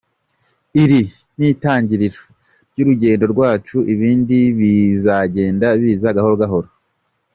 Iri n’itangiriro ry’urugendo rwacu, ibindi bizagenda biza gahoro gahoro.